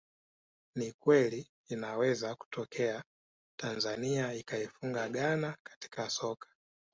Ni kweli inaweza kutokea Tanzania ikaifunga Ghana katika soka